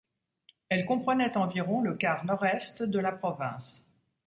Elle comprenait environ le quart nord-est de la province.